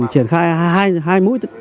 triển khai hai mũi